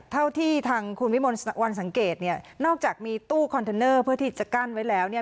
เท่าที่ทางคุณวิมลวันสังเกตเนี่ยนอกจากมีตู้คอนเทนเนอร์เพื่อที่จะกั้นไว้แล้วเนี่ย